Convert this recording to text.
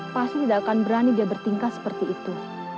pasti tidak akan berani dia bertingkat seperti itu